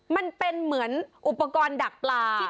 มันเป็นเหมือนอุปกรณ์ดักปลา